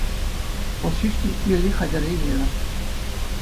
Вӑл ҫӳҫ типӗтмелли хатӗре евӗр.